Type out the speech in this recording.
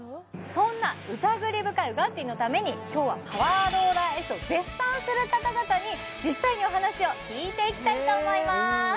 そんなうたぐり深いウガッティーのために今日はパワーローラーＳを絶賛する方々に実際にお話を聞いていきたいと思います